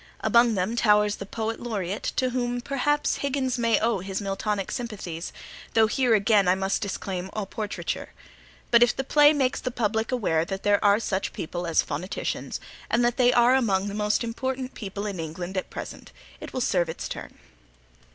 Among them towers the Poet Laureate, to whom perhaps Higgins may owe his Miltonic sympathies, though here again I must disclaim all portraiture. But if the play makes the public aware that there are such people as phoneticians, and that they are among the most important people in England at present, it will serve its turn.